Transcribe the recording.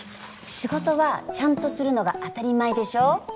仕事はちゃんとするのが当たり前でしょ